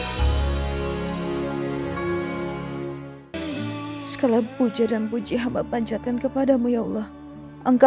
hai hai hai sekolah puja dan puji hamba panjatkan kepadamu ya allah angka